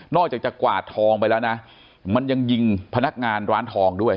อกจากจะกวาดทองไปแล้วนะมันยังยิงพนักงานร้านทองด้วย